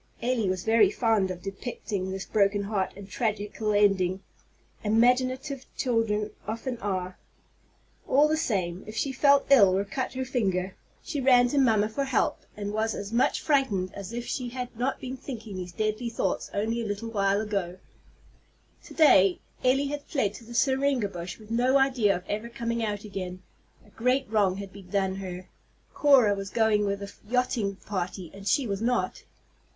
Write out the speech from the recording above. Elly was very fond of depicting this broken heart and tragical ending, imaginative children often are. All the same, if she felt ill, or cut her finger, she ran to mamma for help, and was as much frightened as if she had not been thinking these deadly thoughts only a little while before. To day Elly had fled to the syringa bush with no idea of ever coming out again. A great wrong had been done her. Cora was going with a yachting party, and she was not.